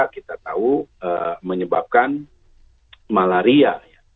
kita tahu menyebabkan malaria